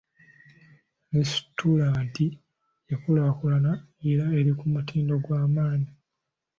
Lesitulanta yakulaakulana era eri kumutindo gwa manyi.